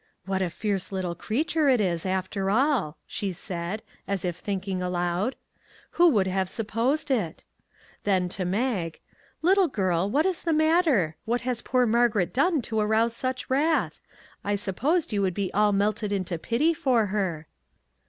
" What a fierce little creature it is, after all !" she said, as if thinking aloud ;" who would have supposed it ?" Then, to Mag :" Little girl, what is the matter ? What has poor Margaret done to arouse such wrath? I supposed you would be all melted into pity for her."